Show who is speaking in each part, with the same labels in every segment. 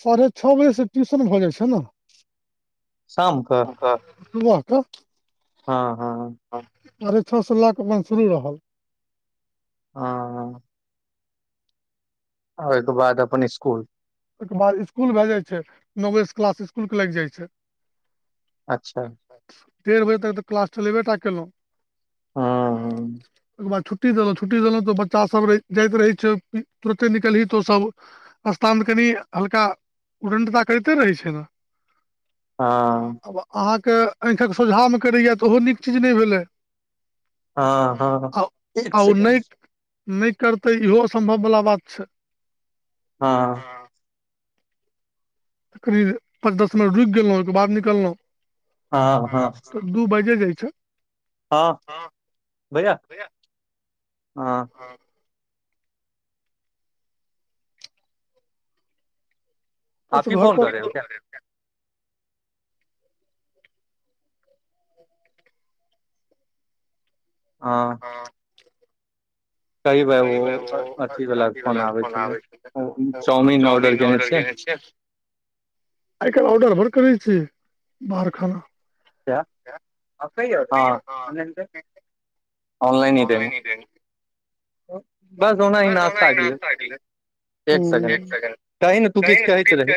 Speaker 1: साढ़े छः बजेसे ट्यूशन भऽ जाइ छै ने
Speaker 2: शाम कऽ
Speaker 1: ककर? बू
Speaker 2: हँ, हँ।
Speaker 1: साढ़े छः सए लाख अपन शुरू रहल।
Speaker 2: ह। ओहिके बाद अपन स्कुल।
Speaker 1: ओहिके बाद स्कूल भए जाइ छै, नौ क्लास स्कूलके लागि जाइ छै।
Speaker 2: अच्छा
Speaker 1: डेढ़ बजे तक तऽ क्लास चलेबेटा केलहुँ।
Speaker 2: हँ
Speaker 1: ओकर बाद छै। छुट्टी देलहुं छुट्टी देलहुं तो बच्चा सभ जाइत रहे छै, तुरते निकलही तो सभ स्थान कनि हलका उदन्ता करते रहै छै न।
Speaker 2: हँ
Speaker 1: अहाँकेँ आँखि कऽ सोझा मे करैए त ओहो नीक चीज नहि भेलै।
Speaker 2: हँ हँ
Speaker 1: आ
Speaker 2: एक
Speaker 1: ओ न।
Speaker 2: सेकंड
Speaker 1: नहि करतै इहो असम्भव वला बात छै।
Speaker 2: हँ।
Speaker 1: हँ। कनि पाँच दस मिनट रुकि गेलहुँ ओहिके बाद निकलहुँ।
Speaker 2: हाँ
Speaker 1: दू बजे जाइ छै
Speaker 2: हँ, भैया हँ।
Speaker 1: ओस
Speaker 2: आप ही,
Speaker 1: घर
Speaker 2: फोन
Speaker 1: पर
Speaker 2: कर रहे हो क्या? ह।
Speaker 1: हँ।
Speaker 2: भाय वो
Speaker 1: कहीँ ओ
Speaker 2: अ- अथी वाला
Speaker 1: अस्सीवला फोन
Speaker 2: छलै
Speaker 1: आबै छियै, चाउमिन ऑर्डर कने छियै। आइ काल्हि ऑर्डर बड़ करै छै, बाहर खाना
Speaker 2: क्या काश नै हँ के [unintelligible]
Speaker 1: आनलाइन ही देने।
Speaker 2: बस ओना ही नाश्ता के लेल एक सेकेण्ड कही ने तू किछ कहैत रही?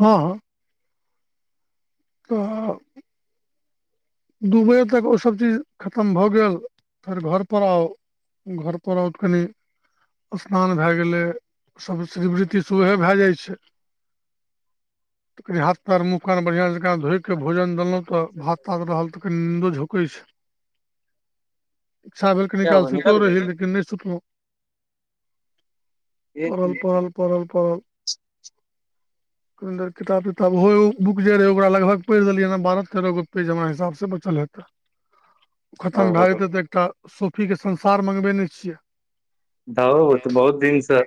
Speaker 1: हँ। आ। दुबई तक ओसभ चीज खतम भऽ गेल फेर घर पर आउ घरपर उठखनि। स्नान भए गेलै सभ शिवृरीति सुबहे भाए जाए छै। कनि हाथ पैर मुँह कान बढ़िया जोका धोईके के भोजन देलहुं तऽ भात तात रहल तऽ कनी नीन्दो झोके छै। इच्छा भेल कनि
Speaker 2: क्या
Speaker 1: काल
Speaker 2: हुआ
Speaker 1: सुतो
Speaker 2: निकल गया
Speaker 1: रहि,
Speaker 2: क्या
Speaker 1: लेकिन नहि सुतलो
Speaker 2: एक
Speaker 1: परल,
Speaker 2: मिनट।
Speaker 1: परल, परल, परल। कनी देर किताब तिताब ओहो एगोबुक जे रहै ओकरा लगभग पढ़ि दिलये ने बारह तेरह गो पेज हमरा हिसाबसँ से बचल हेते खतम
Speaker 2: ओ
Speaker 1: भए जेते एकटा सोफी के संसार मंगबे ने छियै
Speaker 2: धओ ओत बहुत दिन सँ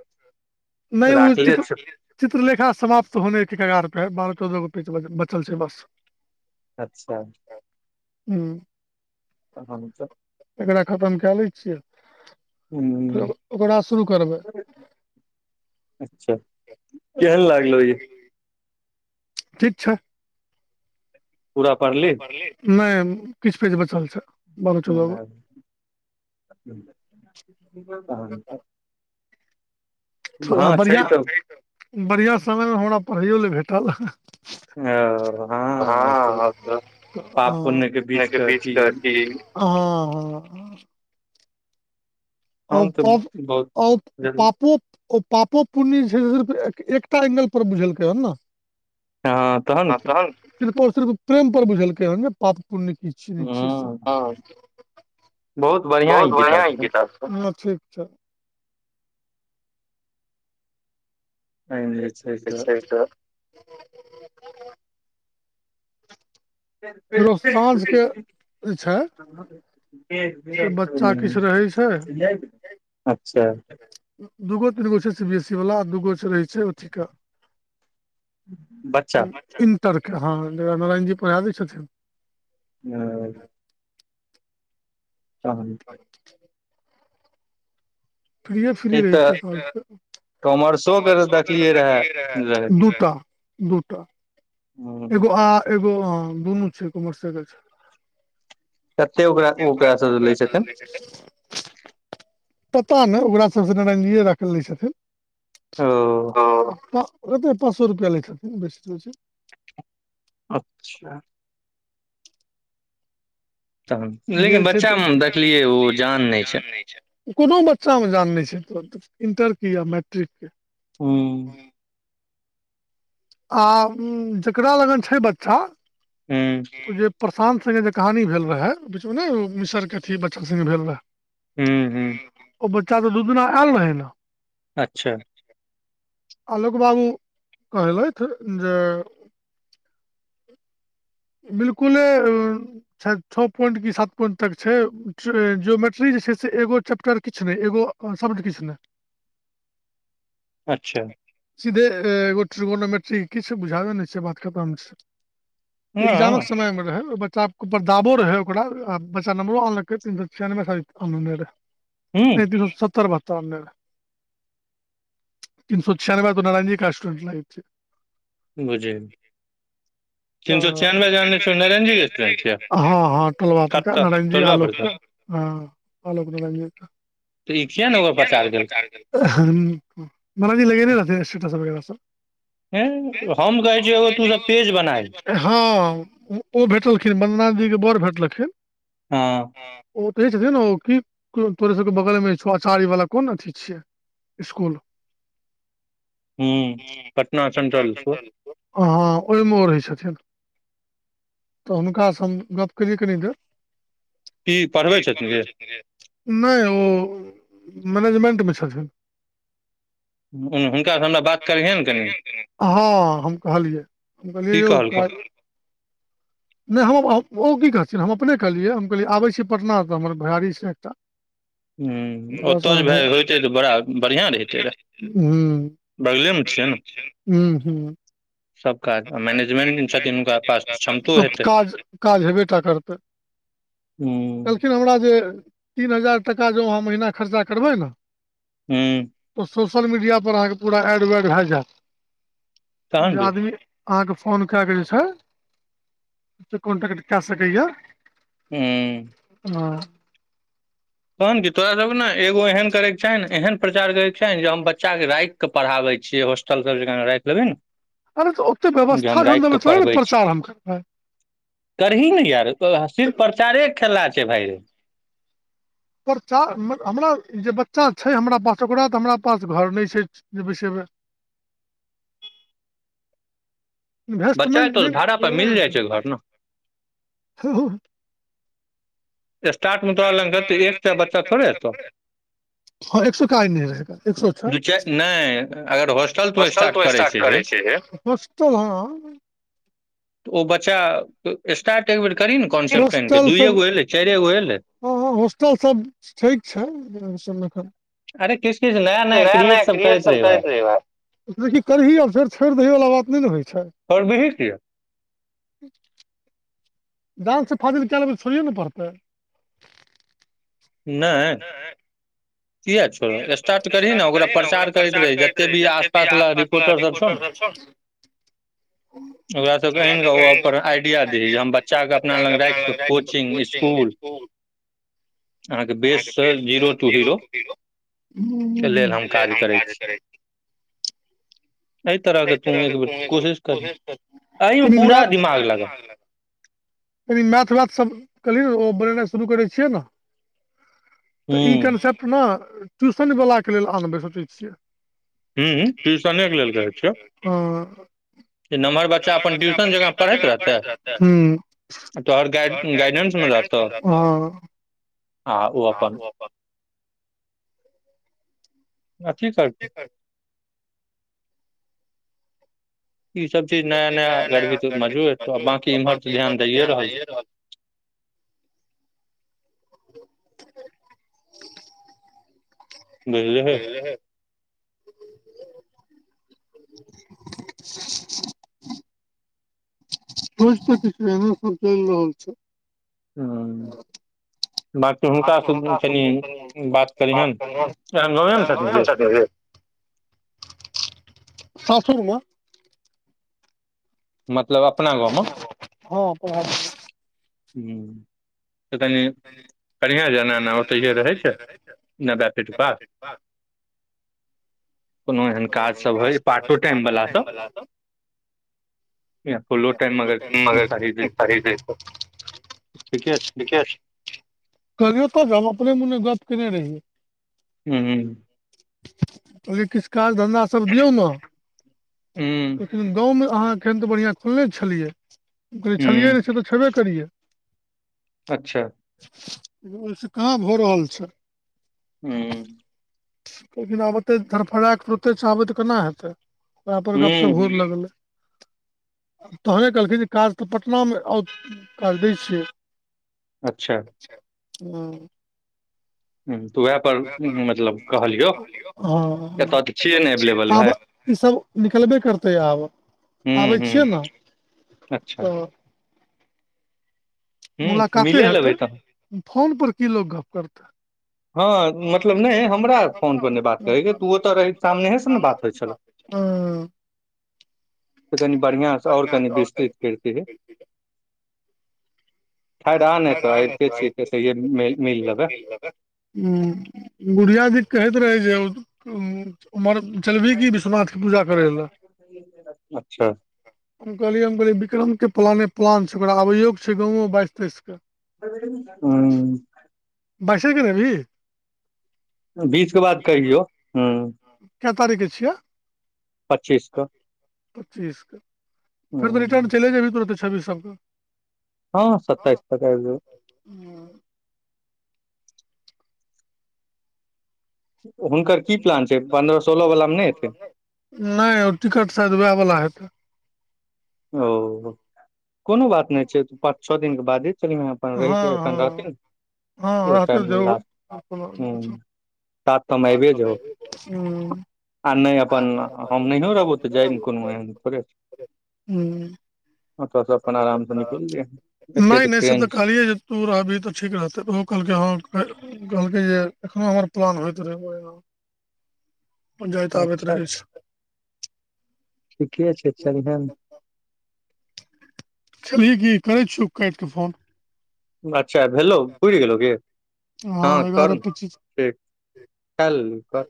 Speaker 1: नहि ओ
Speaker 2: राखले
Speaker 1: चित्र
Speaker 2: छै
Speaker 1: चित्रलेखा समाप्त होने के कगार पे हे बारह चौदह गो पेज बचल छै बस
Speaker 2: अच्छा
Speaker 1: हू
Speaker 2: कहाँ मतलब
Speaker 1: एकरा खतम कए लै छियै फेर ओकरा शुरू करबै
Speaker 2: ह अच्छा केहन लागलो ई
Speaker 1: ठीक छ
Speaker 2: पूरा पढ़ली
Speaker 1: नय किछु पेज बचल छै बारह चौदह
Speaker 2: कह
Speaker 1: थोड़
Speaker 2: छै
Speaker 1: बढ़िआँ
Speaker 2: तऽ
Speaker 1: बढ़िआँ समयमे हमरा पढ़ाैयो ल भेटल हँ
Speaker 2: ओ
Speaker 1: हँ
Speaker 2: पाप पुण्य के
Speaker 1: बीच
Speaker 2: कि
Speaker 1: के हड्डी ह ह
Speaker 2: हम तऽ बहुत
Speaker 1: ओ
Speaker 2: जरूर-
Speaker 1: पापू ओ पापो पुण्य जे छै से सिर्फ एकटा एंगल पर बुझलकै हन न
Speaker 2: हँ तहन की
Speaker 1: त सिर्फ ओ प्रेम पर बुझल कै हेन पाप पुण्य की सुनि छिये
Speaker 2: ह
Speaker 1: सब बहुत बढ़िया ई किताब छ ह ठीक छै
Speaker 2: एहिमे जे छै से
Speaker 1: फेरो साँझके जे छै से बच्चा किछ
Speaker 2: [unintelligible]
Speaker 1: रहै छै
Speaker 2: अच्छा
Speaker 1: दूगो तीन गो छै सी बी एसी वला आ दूगो छै रहै छै अथीे
Speaker 2: बच्चा
Speaker 1: तरह के हँ जरा नारायणजी पढ़ा दै छथिन
Speaker 2: ह तहन
Speaker 1: [inaudible] फ्रीए फ्री
Speaker 2: एक
Speaker 1: रहै
Speaker 2: तऽ
Speaker 1: छै घ
Speaker 2: कॉमर्सो के
Speaker 1: कौमर्स
Speaker 2: देखलियै
Speaker 1: के की
Speaker 2: रहे रहै
Speaker 1: लहर दूटा दूटा
Speaker 2: हूँ,
Speaker 1: एगो आ एगो दुनू छै कौमर्से के छै
Speaker 2: कते ओकरा ओकरासँ लै छथिन
Speaker 1: पता ने ओकरा सबसे नारायणजीए जाके‌ लय छथिन
Speaker 2: ओ
Speaker 1: ओ तऽ पाँच सो रुपैआ लैत हेथिन बेसी तऽ बेसी
Speaker 2: अच्छा
Speaker 1: त बच्चामे देखलियै ओ जान नहि छै कोनो बच्चामे जान नहि छै त इण्टर किया या मैट्रिकके कि
Speaker 2: हू
Speaker 1: आ जेकरा लगन छै बच्चा
Speaker 2: हूँ
Speaker 1: ओ जे प्रशा्त संगे जे कहानी भेल रहए बीचमे नहि अथी मिसरके अथी बच्चआ संगे भेल रहए
Speaker 2: हू
Speaker 1: ओ बच्चा त दू दिना आयल रहे ने
Speaker 2: अच्छा
Speaker 1: आलोक बाबू कहलैथ जे बिलकुले छओ पोइंट की सात पोइंट तक छै जियोमेट्री जे छैय से एगो चैप्टर किछ नहि एगो ओ सब किछ नहि।
Speaker 2: अच्छा
Speaker 1: सीधे एगो ट्रिगोनोमेट्री किछु बुझाबे ने छैय बात खतम। त एग्जामक
Speaker 2: हँ
Speaker 1: समयमे रहै ओहि बच्चा पर दाबो रहै ओकरा बच्चा नंबरो आनलकै तीन सो छियानवे सायद आनने रहै।
Speaker 2: हूँ
Speaker 1: [unintelligible] सत्तर [unintelligible] तीन सए छियानबे [unintelligible]
Speaker 2: बुझही
Speaker 1: हँ
Speaker 2: जानने छियौ नरेन जी के स्टूडेंट छियै
Speaker 1: हँ टोलवा परका
Speaker 2: कतऽ
Speaker 1: नारायण जी
Speaker 2: टोलबा पर सँ
Speaker 1: आलोकक। हँ आलोक नारायण जी क।
Speaker 2: तऽ ई किया ने ओकर प्रचार केलकै
Speaker 1: [unintelligible] स्वेटरस वगैरह सब।
Speaker 2: हेय हम कहै छियै एगो तू सब पेज बनाही।
Speaker 1: हँ ओ भेटलखिन बन्दना जीके बड़ भेटलखिन
Speaker 2: हँ
Speaker 1: ओ कहै छथिन ओ की तोरे सबके बगलमे छौ अचारी वाला कोन अथी छियै? स्कूल
Speaker 2: हूं पटना सेंट्रल श।
Speaker 1: ह ओहिमे ओ रहै छथि तऽ हुनकासँ हम गप कैलियै कनि देर
Speaker 2: की पढ़बै छथिन जे?
Speaker 1: [unintelligible] नहि ओ मैनेजमेंटमे छथिन।
Speaker 2: हूं
Speaker 1: हँ हम कहलियै। हम कहलियै
Speaker 2: की
Speaker 1: यौ
Speaker 2: कहलखुन
Speaker 1: नहि हम ओ की कहथिन हम अपने कहलियै हम कहलियै आबै छी पटना तऽ हमर भैयारी छैय एकटा
Speaker 2: हूँ
Speaker 1: बस
Speaker 2: ओतय जे
Speaker 1: आहां हूँ।
Speaker 2: भए होइतै तऽ बड़ा बढ़िआँ रहितै रहे बगलेमे छियै ने
Speaker 1: हूं हूं
Speaker 2: सब काज मैनेजमेंट छथिन हुनका पास क्षमतो हेतै
Speaker 1: काज काज हेबे टा करतै।
Speaker 2: हूँ
Speaker 1: कहलखिन हमरा जे तीन हजार टका जँ अहाँ महना खर्चा करबै ने
Speaker 2: हूं
Speaker 1: तऽ सोशल मीडिया पर अहाँके पूरा एड वेड भए जायत
Speaker 2: तहन
Speaker 1: जे
Speaker 2: की
Speaker 1: आदमी अहाँके फोन क के जे छैय से कॉन्टक्ट कए सकैया।
Speaker 2: हू
Speaker 1: ह
Speaker 2: तहन कि तोरा सबके ने एगो एहन करयके छनि ने एहन प्रचार करयके चाही नै जे हम बच्चाके राइ ख के पढ़ाबै छियै होस्टल सब [unintelligible] राखि लेबै नू।
Speaker 1: अरे तऽ ओते व्यवस्था जहन देबै तहने ने
Speaker 2: पढ़बै छी
Speaker 1: प्रचार हम करबै।
Speaker 2: करही ने यार सिर्फ प्रचारे खेला छैय भाय रे।
Speaker 1: परचा हमरा जे बच्चा छैय हमरा पास ओकरा तऽ हमरा पास घर नहि छैय। जे बैसेबै।
Speaker 2: बच्चा तो भाड़ा पर मिल जाइ
Speaker 1: इन्वेस्टमेंट
Speaker 2: छै घर ने
Speaker 1: [unintelligible]
Speaker 2: स्टार्ट में तोरा लगतै एकसौ बच्चा थोड़े हेतौ।
Speaker 1: [inaudible] हां एक सौ छ।
Speaker 2: दू चारि नहि अगर हॉस्टल तू स्टार्ट करै छै तऽ
Speaker 1: तो हँ
Speaker 2: तऽ ओ बच्चा स्टार्ट एक बेर करही ने कॉन्सेप्ट क आनी क
Speaker 1: होस्टल सब
Speaker 2: दूएगो एलै चारिये गो एलै
Speaker 1: हँ हँ होस्टल सब ठीक छैय ओय सब में अखैन
Speaker 2: अरे किछु किछु
Speaker 1: नया
Speaker 2: क्रिएट
Speaker 1: नया क्रएट सब
Speaker 2: रही भाय
Speaker 1: करैत रहहि त करही आब फेर छोड़ि दही वला बात नहि ने होइ छै
Speaker 2: पररबीही कियै
Speaker 1: जानसँ फाजिल कए लबै तऽ थोड़यए ने पड़तै
Speaker 2: नहि किएक छोड़ स्टार्ट करही ने ओकरा प्रचार करैत रही जतेक भी आस पासवला रिपोर्टरसभ छौ ने
Speaker 1: [inaudible]
Speaker 2: ओकरा सबके
Speaker 1: ओरा
Speaker 2: आनि
Speaker 1: तऽ
Speaker 2: कऽ
Speaker 1: कह ने
Speaker 2: ओकर दही जे
Speaker 1: आइडिया
Speaker 2: हम
Speaker 1: दि
Speaker 2: बच्चा के
Speaker 1: बच्चाके अपना लग राखि कऽ कोचिंग
Speaker 2: स्कूल
Speaker 1: इस्कूल
Speaker 2: अहाँके
Speaker 1: आहाँ के
Speaker 2: सँ
Speaker 1: बेस
Speaker 2: टू
Speaker 1: जीरो
Speaker 2: हीरो
Speaker 1: ट जीरो
Speaker 2: के लेल हम
Speaker 1: एले रम
Speaker 2: करै
Speaker 1: काज
Speaker 2: छी
Speaker 1: करे
Speaker 2: एहि तरह के
Speaker 1: सही
Speaker 2: तू
Speaker 1: तरहके
Speaker 2: एक बेर
Speaker 1: त
Speaker 2: कोशिश कर
Speaker 1: कोशि पूरा दिमाग लगा कनि मैथ लेबसभ कहलियै ओ बोलनाइ शुरू करै छियै ने तऽ
Speaker 2: हूँ
Speaker 1: ई कन्सेप्ट ने ट्यूशनवलाके लेल आनबै सोचै छियै
Speaker 2: हूँ ट्यूशने के लेल कहै छियौ
Speaker 1: ह [inaudible] नम्हर बच्चा अपन ट्यूशन जकाँ पढ़ैत रहतै
Speaker 2: गाइड
Speaker 1: तोहर गाड
Speaker 2: गाइडेंस मे रहतौ
Speaker 1: गाइडन्स रह
Speaker 2: आ ओ अपन अथी कर ई सब चीज नया नया गर भी त मजू बंकी इमहर तऽ ध्यान दैयए रहल छै
Speaker 1: [inaudible]
Speaker 2: बझली ही
Speaker 1: [inaudible] तऽ किछ एना सब चलि रहल छै
Speaker 2: हूँ
Speaker 1: बकी
Speaker 2: बाँकी
Speaker 1: हनक
Speaker 2: हुनका से
Speaker 1: सबनि
Speaker 2: कनि
Speaker 1: बात
Speaker 2: करिहन एहन
Speaker 1: कह
Speaker 2: गाँवे मे छथिन रे
Speaker 1: [unintelligible] छथि सासुरमे [unintelligible]
Speaker 2: मतलब अपना गाव मे
Speaker 1: हँ पढ़ा
Speaker 2: त कनि कनिआँ जाना एना ओतहिए रहै छै नब्बे पीट पास
Speaker 1: [inaudible]
Speaker 2: कोनो एहन काज सब होइय पार्टो टाइम वला सब य फुलो टाइम अगर साहि दैत
Speaker 1: ठीके छै करियौ तऽ हम अपने मुने गप केने रहियै
Speaker 2: हू
Speaker 1: कहे किछु काज धन्धा सब दियौ ने
Speaker 2: ह
Speaker 1: गाँवमे अहाँ एखन तऽ बढ़िआँ खुलने छलियै कहै छलियै
Speaker 2: हूँ
Speaker 1: नहि से तऽ छेबे करियै
Speaker 2: अच्छा
Speaker 1: ओहिस कहाँ भऽ रहल छै
Speaker 2: हू
Speaker 1: लेकिन आबते धरफड़ुरते आबै तऽ केना हेतै ओह पर गप भोर
Speaker 2: हूँ
Speaker 1: लगले तहने कहलखिन जे काज तऽ पटनामे आउ काज दै छियै
Speaker 2: अच्छा
Speaker 1: हँ
Speaker 2: हूँ तऽ उएह पर
Speaker 1: ब
Speaker 2: हम्म, मतलब कहलियौ
Speaker 1: कहलीयो
Speaker 2: एतय तऽ छियै ने एवलेबल
Speaker 1: आब
Speaker 2: भाय
Speaker 1: ई सब निकलबे करतै आब
Speaker 2: हूँ
Speaker 1: आबै छियै
Speaker 2: हूँ
Speaker 1: ने
Speaker 2: अच्छा
Speaker 1: तऽ
Speaker 2: हूँ
Speaker 1: मुलाकाते
Speaker 2: मिले लेबै
Speaker 1: हेतै
Speaker 2: तहन
Speaker 1: फोनपर की लोग गप्प करतै
Speaker 2: हँ मतलब नहि हमरा फोन पर नहि बात
Speaker 1: हँ
Speaker 2: करैके तू औतऽ सामनेहे से ने बात होइ छलौ
Speaker 1: ह
Speaker 2: तऽ कनि बढ़िआस ओर कनि विस्तृत करितियै फेर एतऽ आबिते छी तऽ सही, मिल लेबै।
Speaker 1: हँ, बुढ़ियादी कहैत रहै जे उमर। चलबिही की विश्वनाथके पूजा करै लए।
Speaker 2: अच्छा
Speaker 1: हम कहलियै हम कहलियै बिक्रम के प्लान प्लान छै, ओकरा आबैयो के छै, गावो बाइस तेइस के।
Speaker 2: हँ।
Speaker 1: पैसा नै देल्ही
Speaker 2: बीचके बाद कहियौ ह।
Speaker 1: कैए तारीखके छियै
Speaker 2: पच्चीस के
Speaker 1: पच्चीसके फेर तऽ रिटर्न
Speaker 2: हूँ
Speaker 1: चल जेबी तुरत। छी सभके
Speaker 2: हँ, सतताइस कऽ
Speaker 1: सबके
Speaker 2: हुनकर की प्लान छै, पन्द्रह सोलह वलामे नहि होते
Speaker 1: नहि ओ टिकट शायद वएह वला हेतै।
Speaker 2: ओ कोनो बात। ने छै, पाँच छओ दिनके बादे चलि
Speaker 1: हँ
Speaker 2: अपन रहिके एखन
Speaker 1: हँ
Speaker 2: रहथिन। ओहि
Speaker 1: हँ, तऽ
Speaker 2: टाइम मे
Speaker 1: जरुर
Speaker 2: लास्ट
Speaker 1: आब कोनो।
Speaker 2: हूँ सात सए मे आबिये जाउ
Speaker 1: [unintelligible] हू
Speaker 2: आ नहि अपन हम नहि रहबो तऽ जायमे कोनो एहन थोडे
Speaker 1: ह,
Speaker 2: से अपन आराम से निकलि जइहे एते
Speaker 1: नहि नहि सऽ तऽ
Speaker 2: ट्रेन छै
Speaker 1: कहलिय कतो रहबे तऽ ठीक रहतै ओहो कहलकै हँ। कहलकै जे एखनो हमर प्लान होइत रहै। जायएत आबैत
Speaker 2: अच्छा
Speaker 1: रहै छै
Speaker 2: ठीके छै, चलहिये नै।
Speaker 1: खेबही कि करै छियौ काट कऽ फोन।
Speaker 2: पूरा चारि भेलौ बुुरि गेलौ हँ कर ठीक, काल कऽ